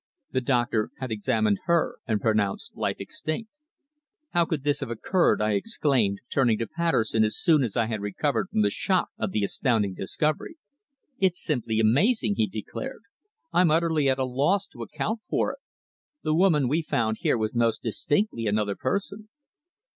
The doctor had examined her and pronounced life extinct. "How could this have occurred?" I exclaimed, turning to Patterson as soon as I had recovered from the shock of the astounding discovery. "It's simply amazing!" he declared. "I'm utterly at a loss to account for it. The woman we found here was most distinctly another person."